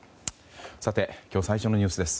では、今日最初のニュースです。